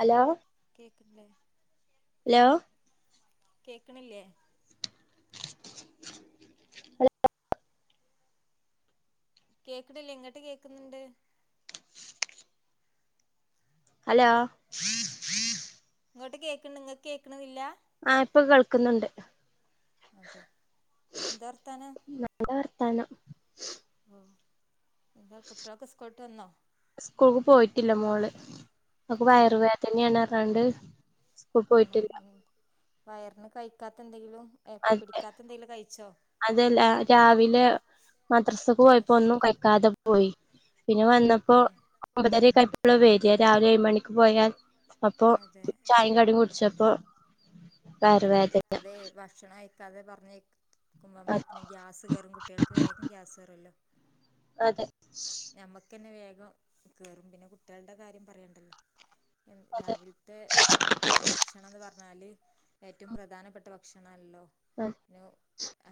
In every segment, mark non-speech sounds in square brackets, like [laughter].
Hello കേക്ക്ണ്ല്ലേ hello കേക്കണില്ലേ കേക്ക്ണില്ലെ ഇങ്ങട്ട് കേക്ക്ന്ന്ണ്ട് ഹലോ ഇങ്ങോട്ട് കേക്ക്ണ്ട് ഇങ്ങക്ക് കേക്ക്ണില്ല ആഹ് ഇപ്പൊ കേൾക്കുന്നുണ്ട് അതെ എന്താ വർത്താനം ത്താനം ഓ എന്താ കുട്ട്യാളൊക്കെ സ്കൂൾട്ട് വന്നോ സ്കൂൾക്ക് പോയിട്ടില്ല മോള് അവക്ക് ഓ വയറ് വേദനാണ് പർഞ്ഞാണ്ട് സ്കൂള് ആണോ പോയിട്ടില്ല വയറിന് കഴിക്കാത്ത എന്തെങ്കിലും ഏഹ് പിടിക്കാത്ത എന്തെങ്കിലും കഴിച്ചോ? അതെല്ലാ രാവിലെ മദ്രസക്ക് പോയപ്പോ ഭക്ഷ ഒന്നും കഴക്കാതെ പോയി പിന്നെ വന്നപ്പോ അതെ ഒമ്പതരയെക്കെ ആയപ്പ് പ്പളാ വെരിയാ രാവിലെ ഏഴുമണിക്ക് പോയാൽ അപ്പൊ അതെ ചായിം കടിം കുടിച്ച പ്പോ അതെ ഭാക്ഷണായി അതെ [unintelligible] [unintelligible] ഗ്യാസ് കേറും കുട്ടിയൾക്ക് വേഗം ഗ്യാസ് കേറോല്ലോ അതെ ശൂ പ്പ കേറും പിന്നെ കുട്ടികളുടെ കാര്യം പറയണ്ടല്ലോ മ്മ് അതെ രാവിലത്തെ ഭക്ഷണം എന്ന് പറ ന്നാല് ഏറ്റ ഏറ്റവും പ്രധാനപ്പെട്ട ഭക്ഷണല്ലോ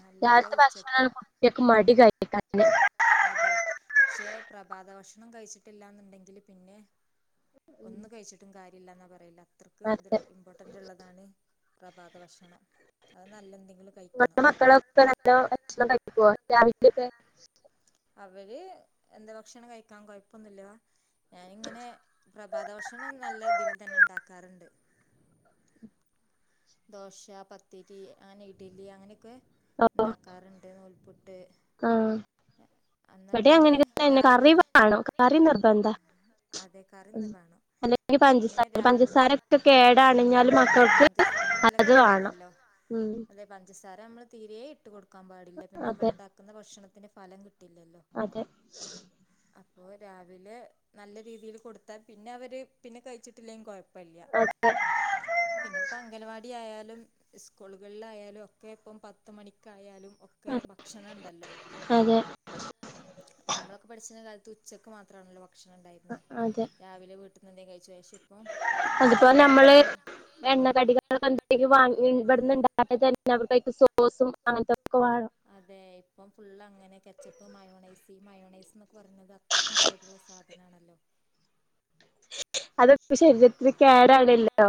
അല്ലാതെ രാവിലത്തെ ഭക്ഷണാണ് ഉച്ചക്ക് കുട്ടികൾക്ക് മടി കഴിക്കാന് പക്ഷേ പ്രഭാത ഭക്ഷണം ഒന്നും കഴിച്ചിട്ടില്ല എന്നുണ്ടെങ്കില് പിന്നെ ഒന്ന് കഴിച്ചിട്ടും കാര്യ ഇല്ലന്ന പറയില്ല എത്രക്ക് ഇതു അതെ ഇമ്പോർട്ടന്റ് ഉള്ളതാണ് പ്രഭാത ഭക്ഷണം അത് നല്ലെന്ത് നിങ്ങളുടെ മക്കളൊക്കെ നല്ല ഭക്ഷ കഴിക്ക രാവിൽ തൊക്കെ [unintelligible] അവര് എന്താ ഭക്ഷണം കഴിക്കാൻ കൊഴപ്പൊന്നുമില്ല ഞാനിങ്ങനെ പ്രഭാത ഭക്ഷണം നല്ല രീതിൽ തന്നെ ഇണ്ടാക്കാറുണ്ട് ദോശ പത്തിരി അങ്ങനെ ഇഡലി അങ്ങനെയൊക്കെ ഓ... ഉണ്ടാക്കാറുണ്ട് നൂൽപുട്ട് ആമ്മ്... എന്നാ ഇവിടെ പിന്നെ അങ്ങനന്നെ അപ്പൊ രാവിലെ കറിണോ കറി നിർബന്ധ അതെ കറിന്ന് വേണം അല്ലെങ്ക പിന്നെ പഞ്ചസാര രാവിലെ പഞ്ചസാരൊക്കെ കേടാണ് ന്നലും മക്കൾക്ക് പഞ്ചുസാര നല്ല അത് വേണം കേടാണല്ലോ ഉം അതെ പഞ്ചസാര ഞമ്മള് തീരേ ഇട്ട് കൊടുക്കില്ല കൊടുക്കാൻ പാടില്ല പിന്നെ നമ്മള അതെ ഉണ്ടാക്കുന്ന ഭക്ഷണത്തി ത്തിന്റെ ഫലം കിട്ടു അതെ അപ്പോ രാവിലെ നല്ല രീതിയിൽ കൊടുത്താ പിന്നെ അവര് പിന്നെ കഴിച്ചിട്ടില്ലെങ്കിൽ കുഴപ്പം കൊഴപ്പല്ല അതെ പിന്നെ പരിപാടി ആായാലും സ്കൂളുകളിലായാലും ഒക്കെ ഇപ്പം പത്ത് മണിക്കായാലും ഒക്കെ ഭക്ഷണം ഉണ്ടല്ലോ അതെ നമ്മളൊക്കെ പഠിച്ചിരുന്ന കാലത്ത് തു ഉച്ചക്ക് മാത്രമാണല്ല ഭക്ഷണം ഇണ്ടായിരുന്ന് രാവിലെ വീട്ട് എന്തേ കഴിച്ച് കഴിച്ചു ഇപ്പം അതിപ്പോ ഇവന് നമ്മള് ഇന്റെ എണ്ണ കടികൾ [unintelligible] എന്തെങ്കിലും വാങ്ങി ഇവട്ന്ന് ഇണ്ടായത് തന്നെ [unintelligible] സോസും അങ്ങനത്തെ ഒക്ക് അതെ ഇപ്പം ഫുള്ള് അങ്ങനെ കെച്ചപ്പ് മയോണൈസ് ഈ മയോണൈസ്ന്നൊക്കെ പറയുന്നത് അത്രയ്ക്കും കേടുള്ള സാധനാണല്ലോ അതൊക്കെ ശരീരത്തിൽ കേടാണല്ലോ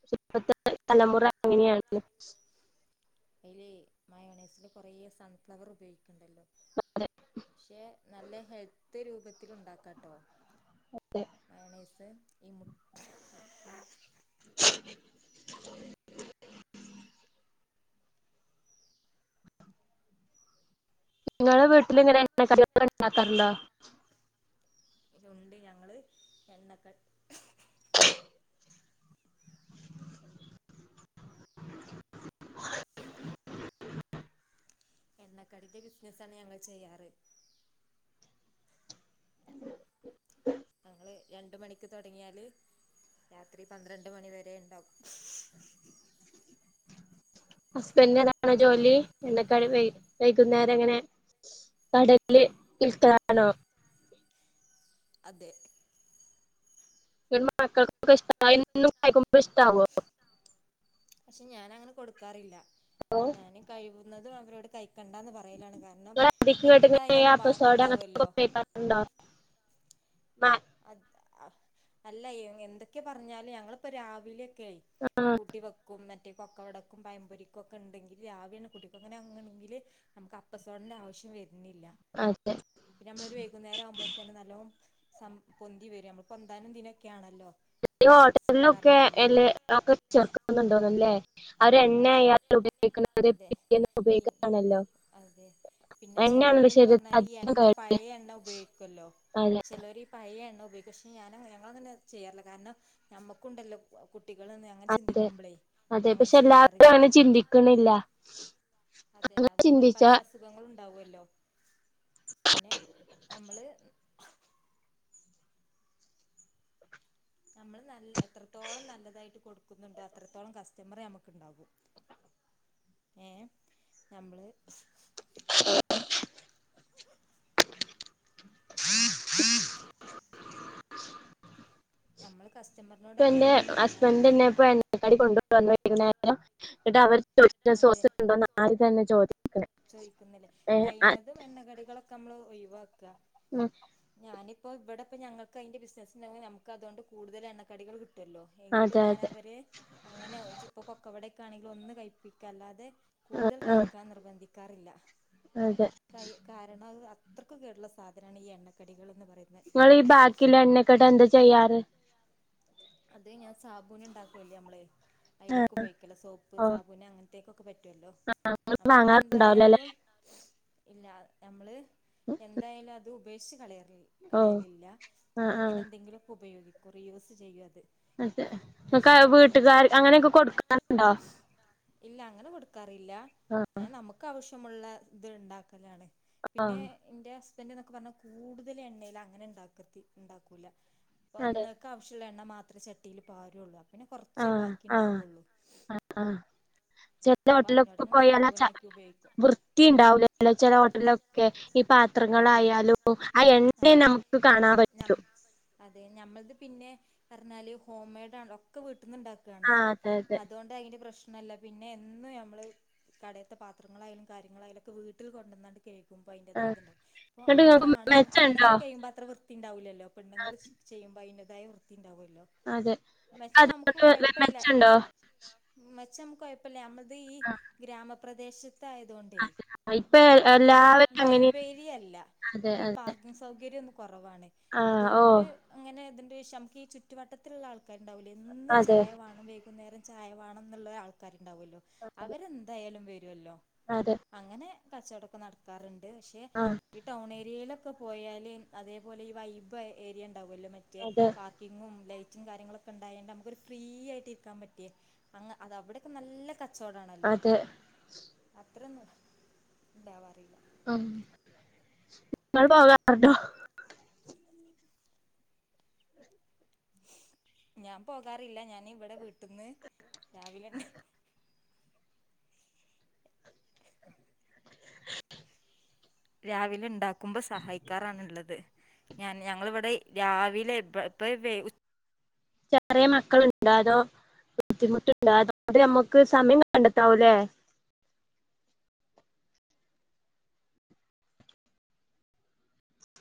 പക്ഷെ ഇപ്പത്തെ തലമുറ അങ്ങനെയാണ് അതിലെ മായോണൈസില് കൊറെ സൺഫ്ലവർ ഉപയോഗിക്കും. ണ്ടല്ലോ അതെ പക്ഷെ നല്ല ഹെൽ [unintelligible] രൂപത്തിലും ഉണ്ടാക്കാട്ടോ അതെ മയണൊയ്സ് [inaudible] [inaudible] ങ്ങളെ വീട്ടിലിങ്ങനെ എണ്ണ കടികൾ ഇണ്ടാകാറുണ്ടോ ഉണ്ട് ഞങ്ങള് എണ്ണക്ക [inaudible] [inaudible] എണ്ണക്കടിന്റെ ബിസിനസ്സാണ് ഞങ്ങള് ചെയ്യാറ് ഞങ്ങള് രണ്ട് മണിക്ക് തൊടങ്ങിയാല് രാത്രി പന്ത്രണ്ട് മണി വെരെ ണ്ടാവും ഹസ്ബൻന്റ്ന് അതാണോ ജോലി എണ്ണ കടി വൈകുന്നേരങ്ങനെ കടെല് വിൽക്കലാണോ അതെ മക്കൾക്കൊക്കെ ഇഷ്ട [inaudible] ഇഷ്ടാവോ പക്ഷെ ഞാനങ്ങനെ കൊടുക്കാറില്ല ഞാൻ കൈ ള്ളതും അവരോട് കൈക്കണ്ടാന്ന് പറയലാണ് [inaudible] കാരണം എന്തായാലും അപ്പ ബാക്കി സോണ്ടോ അങ്ങൻത്തൊക്കെ ഉണ്ടാവുമല്ലോ ഉപയോഗിക്കാറുണ്ടോ [unintelligible] അല്ല എന്തൊക്കെ പറഞ്ഞാലും ഞങ്ങളിപ്പോ രാവിലെ ക്കെ ആഹ് കൂട്ടി വെക്കും പക്കവടക്കും പയമ്പൊരിക്കും ഒക്കെ ണ്ടെങ്കില് രാവിലെങ്ങനെ കൂട്ടി വെക്കും അങ്ങനാകാണെങ്കില് നമുക്ക്‌ അപ്പസോടന്റെ ആവശ്യം വെര് ണില്ല അതെ. പിന്നെ നമ്മളൊരു വൈകുന്നേരാകുമ്പോത്തിന് നല്ലോ സം പൊന്തി വരാ നമ്മക് പൊന്താനും ദിനൊക്ക്യാണല്ലോ. [unintelligible] ഹോട്ടൽന്നൊക്കെ എല്ലെ ഒക്കെ ചേർക്ക്ന്ന് ണ്ടോന്ന്ണ്ലെ. അതെ അതെ പിറ്റേന്ന് പിൻ ഉപയോഗിക്കാണല്ലോ. അതെ പിന്നെ എണ്ണയാണല്ലോ ചിലവര് ശരീരത്തിന് പറഞ്ഞാല് ഈ അധികം എണ്ണ കേട് പഴേ എണ്ണ ഉപയോഗിക്കല്ലോ. അതെ ചിലർ ഈ പയേ എണ്ണ വി കക്ഷി ഞാന് ഞങ്ങളങ്ങനെ ചെയ്യാറില്ല കാരണം ഞമ്മക്കുണ്ടല്ലോ കു കുട്ടികളൊന്നും അങ്ങനെ ചിന്തിക്കുമ്പോളേ അ എല്ലാവരുംങ്ങനെ ചിന്തിക്കുന്നില്ല അതെ അതോണ്ട് പലേ അസുഖങ്ങളും ണ്ടാവുല്ലോ പിന്നെ നമ്മള് നമ്മള് ന എത്രത്തോളം നല്ലതായിട്ട് കൊടുക്കുന്നുണ്ടോ അത്രത്തോളം കസ്റ്റമർ നമ്മുക്കുണ്ടാവും ഏ നമ്മള് [inaudible] [inaudible] നമ്മള് കസ്റ്റമറിനോട് ഇപ്പൊ എന്റെ എങ്ങനെയാണോ പെരുമാറുന്നത് ഹസ്ബന്റന്നെ ഇപ്പൊ എണ്ണ [unintelligible] [unintelligible] എന്നട്ട് അവര് വൈറ്റ് അതെ സോസുണ്ടോന്നന്നെ ആദ്യം ചോദിക്ക ഏ ക്കെ നമ്മള് ഒഴിവാ ക്ക ഞാനി ഇപ്പോ ഇവിടെപ്പ ഞങ്ങക്ക് അയിന്റെ ബസിനസ് ഉണ്ടായൊണ്ട് നമുക്ക് അതൊണ്ട് കൂടുതൽ എണ്ണക്കടികൾ കിട്ടും ട്ടല്ലോ എങ്കിലും അതെ ഞാൻ അതെ അവരെ അങ്ങനെ ഇപ്പൊ കൊക്കവട ക്കാണെങ്കിൽ ഒന്ന് കഴിപ്പി ക്കല്ലാതെ കൂടുതൽ ആഹ് ആഹ് കഴിക്കാൻ നിർബന്ധി ക്കാറില്ല അതെ കയ് കാരണത് അത്രക്ക് കേടുള്ള സാധനാണ് ഈ എണ്ണക്കടികൾ എന്ന് പറ നിങ്ങളീ ഈ ബാക്കില്ലെ എണ്ണക്കട്ട് എന്താ ചെയ്യാറ് അത് ഞാൻ സാബൂന് ഉണ്ടാക്കുംല്ലേ നമ്മള് അതിലേക്ക് ഉപയോഗിക്കല സോപ്പ് ഓ സാബൂന് അങ്ങന [unintelligible] പറ്റുമല്ലോ നമ്മളത് വാങ്ങാറുണ്ടാവൂലല്ലേ എന്തായാലും ഇല്ല നമ്മള് എന്തായാലും അത് വേസ്റ്റ് കളയാ ഓ കളയിലില്ല ആഹ് നമ്മള ഇങ്ങനെ ആഹ് എന്തെങ്കിലൊക്കെ ഉപയോഗിക്ക കുറെ യൂസ് ചെയ്യത് അതെ ങ്ങക്ക് വീട്ടുകാര് അങ്ങനെയൊക്കെ കൊടുക്കാനുണ്ടോ ഇല്ലാ ഞാൻ നമുക്കവശ്യ - മുള്ളത് ഇണ്ടാക്കലാണ് പിന്നെ ആഹ് ഇന്റെ ഹസ്- ഹസ്ബന്റ് ന്നൊക്കെ പറഞ്ഞാൽ കൂടുതൽ എണ്ണയിൽ അങ്ങനെ ഉണ്ടാക്കത്തി ഉണ്ടാക്കൂല. അപ്പ അതെ ഇന്നക്കാവശ്യള്ള എൺ ണ മാ ത്ര ചട്ടീല് പാരോള്ളൂ. അ പ്പപിന്നെ കൊറ്ച്ചേ ആഹ് ബാക്കി ആഹ് ഉണ്ടാകൊള്ളു. ല ഹോട്ടൽലൊക്കെ പോയാലാ ച്ച വൃത്തീ ഇണ്ടാവൂലല്ലോ ചെല ഹോട്ടൽലൊക്കെ ഈ അതെ പാത്രങ്ങളായാലും ആ എണ്ണിം അതെ നമുക്ക് കാണാൻ നം പറ്റും. അതെ ഞമ്മൾത് പിന്നെ പറഞ്ഞാല് ഹോംമെയ്ഡാൺലൊ ഒക്കെ വീ ട്ട്ന്ന് ആ ഇണ്ടാക്കാണല്ലോ അതെ അതെ അതോണ്ട് അയ്ന്റെ പ്രശ് നല്ല. പിന്നെ എന്നു ഞമ്മള് കടേത്ത പാത്രങ്ങളായാലും കാര്യങ്ങളായാലു ഒക്കെ വീട്ടിൽ കൊണ്ടോന്നാണ്ട് കേൾക്കുമ്പ ആ അയ്ന്റേതായത്ണ്ടാവും അപ്പൊ എന്നിട്ട് എത്ര നിങ്ങക്ക് ആണു മെച്ചണ്ടോ ആണുങ്ങൾ കഴിയുമ്പോ അത്ര വൃത്തി ഉണ്ടാവൂലല്ലോ പെണ്ണുങ്ങൾ ചെയ്യൂമ്പോ ഐന്റെ തായ വൃത്തി ഉണ്ടാവുല്ലോ? അതെ അത് [unintelligible] മെച്ചണ്ടോ ചമ്മ്കൊഴപല്യ [unintelligible] ഈ ഈ ആ ഗ്രാമ പ്രദേശത്ത് ആ ഇപ്പൊ എല്ലാവരും അങ്ങനെ തിയല്ല അതെ ഈ അതെ പാർക്കിംഗ് സൗഗര്യോന്നു കുറവാണ് ആ ഓ അതൊകൊണ്ട് അങ്ങനെ തി- ഈശംകീ ചുറ്റുവട്ടത്തിലുള്ള ആൾക്കാര് ഉണ്ടാവൂലെ എന്നും അതെ ചായ വാണം വേകുന്നേരം ചായ വാണംന്നുള്ള ആൾക്കാര് ണ്ടാവല്ലോ അതെ അവരെന്തായാലും വെ - ല്ലോ അതെ അങ്ങനെ. കച്ചവടൊക്കെ നടത്താറ് ണ്ട്. പക്ഷെ ആ ഇ ടൗണേ ഏരിയയിലൊക്കെ പോയാല് അതേപോലെ ഈ വൈബ് ഏരിയ മറ്റേ അതെ പാർക്കിങ്ങും ല റ്റും കാര്യങ്ങളൊക്കെ ഉണ്ടായണ്ട് നമു ഒരു ഫ്രീ ആയിട്ട് ഇരിക്കാൻ പറ്റിയേ അ അവിടെയൊക്കെ നല്ല കച്ചോടാണല്ലോ അതെ അത്രന്ന ഉണ്ടാവാറില്ല ആ നിങ്ങൾ പോകാറണ്ടോ ഞാൻ പോകാറില്ല ഞാൻ ഇവിടെ വീട്ടിന്ന് രാവിലന്നെ രാവിലെ ണ്ടാക്കും കുംഭ സഹായിക്കാറാണ്ള്ളത്. ഞാൻ ഞങ്ങളിവിടെ രാവിലെ ഇപ്പ വെയ് ചെറിയ മക്കളുണ്ടൊ അതോ ബുദ്ധിമുട്ടുണ്ടോ അതോ അതി നമ്മുക്ക് സമയം കണ്ടെത്താവൂല്ലേ